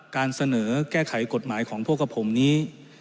การเสนอแก้ไขกฎหมายของพวกกับผมนี้